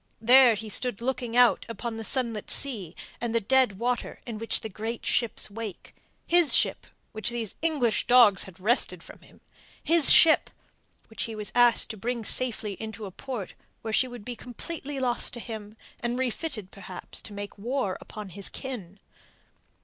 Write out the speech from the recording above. There he stood looking out upon the sunlit sea and the dead water in the great ship's wake his ship, which these English dogs had wrested from him; his ship, which he was asked to bring safely into a port where she would be completely lost to him and refitted perhaps to make war upon his kin.